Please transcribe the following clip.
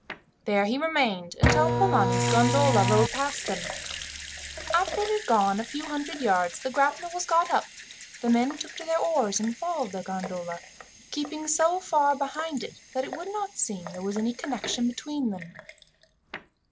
There he remained until Polani's gondola rowed past him. After it had gone a few hundred yards, the grapnel was got up, the men took to their oars and followed the gondola, keeping so far behind that it would not seem there was any connection between them.